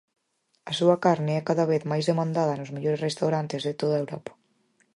A súa carne é cada vez máis demandada nos mellores restaurantes de toda Europa.